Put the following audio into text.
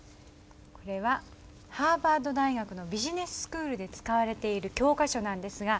これはハーバード大学のビジネススクールで使われている教科書なんですが。